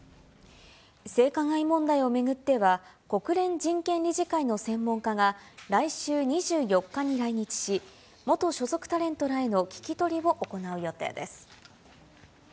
性加害問題を巡っては、国連人権理事会の専門家が来週２４日に来日し、元所属タレントらへの聞き取りを行う予定です。